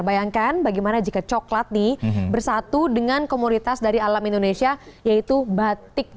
bayangkan bagaimana jika coklat nih bersatu dengan komoditas dari alam indonesia yaitu batik